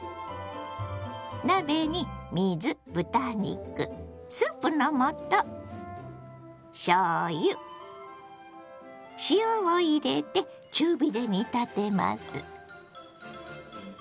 鍋に水豚肉スープの素しょうゆ塩を入れて中火で煮立てます。